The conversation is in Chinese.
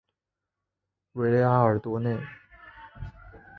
维拉尔多内。